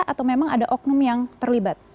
atau memang ada oknum yang terlibat